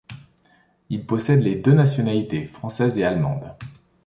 Il possède les deux nationalités française et allemande.